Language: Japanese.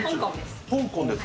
香港です。